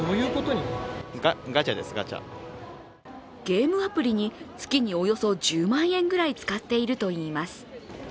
ゲームアプリに月におよそ１０万円ぐらい使っているといいます。